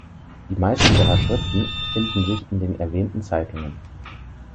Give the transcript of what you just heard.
Die meisten ihrer Schriften finden sich in den erwähnten Zeitungen.